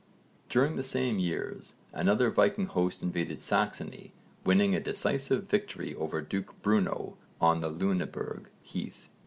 During the same years, another Viking host invaded Saxony winning a decisive victory over Duke Bruno on the Lüneburg Heath.